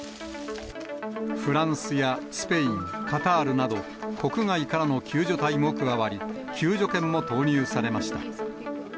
フランスやスペイン、カタールなど、国外からの救助隊も加わり、救助犬も投入されました。